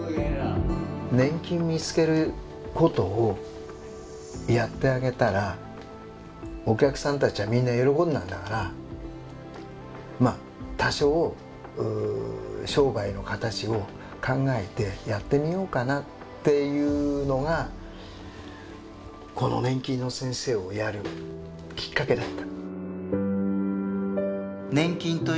年金を見つけることをやってあげたらお客さんたちはみんな喜んだんだから多少商売の形を考えてやってみようかなっていうのがこの年金の先生をやるきっかけだった。